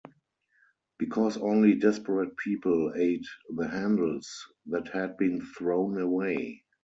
Because only desperate people ate the handles that had been thrown away.